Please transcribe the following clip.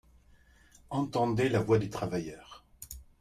Entendez la voix des travailleurs